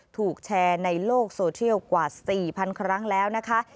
ถูกแชร์ในโลกโซเชียลกว่า๔๐๐๐ครั้งแล้วนะคะ